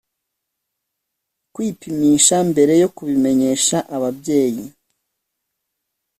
kwipimisha mbere yo kubimenyesha ababyeyi.